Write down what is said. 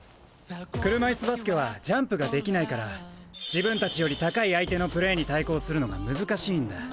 車いすバスケはジャンプができないから自分たちより高い相手のプレーに対抗するのが難しいんだ。